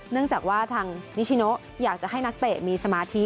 เนื่องจากว่าทางนิชิโนอยากจะให้นักเตะมีสมาธิ